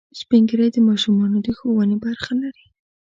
سپین ږیری د ماشومانو د ښوونې برخه لري